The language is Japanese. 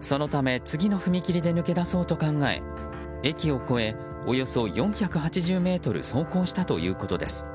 そのため次の踏切で抜け出そうと考え駅を越え、およそ４８０ｍ走行したということです。